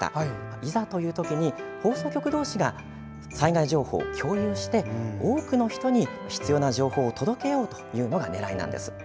いざというときに放送局同士が災害情報を共有して多くの人に必要な情報を届けようというのが狙いなんです。